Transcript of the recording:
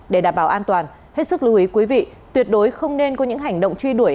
để đảm bảo an toàn hết sức lưu ý quý vị tuyệt đối không nên có những hành động truy đuổi